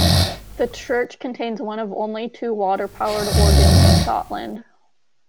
The church contains one of only two water-powered organs in Scotland.